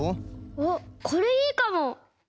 あっこれいいかも！